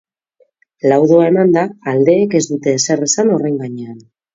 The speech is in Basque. Laudoa emanda, aldeek ez dute ezer esan horren gainean.